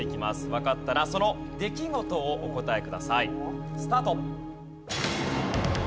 わかったらその出来事をお答えください。スタート。